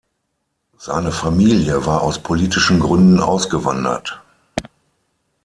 Seine Familie war aus politischen Gründen ausgewandert.